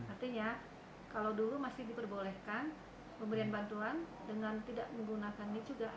artinya kalau dulu masih diperbolehkan pemberian bantuan dengan tidak menggunakan ini juga